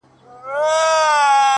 گراني چي د ټول كلي ملكه سې،